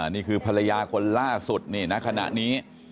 นี่คือภรรยาคนล่าสุดนี่ณขณะนี้